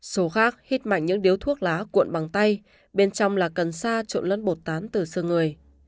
số khác hít mảnh những điếu thuốc lá cuộn bằng tay bên trong là cần sa trộn lẫn bột tán từ xương người